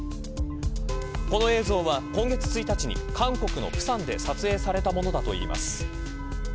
この映像は今月１日に韓国の釜山で撮影されたものだといいます。